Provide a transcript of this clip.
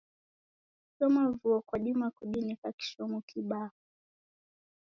Kushoma vuo kwadima kudineka kishomo kibaa.